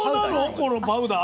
このパウダー？